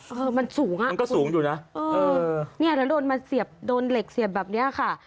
เออมันสูงอ่ะมันก็สูงอยู่นะเออเนี่ยแล้วโดนมาเสียบโดนเหล็กเสียบแบบเนี้ยค่ะ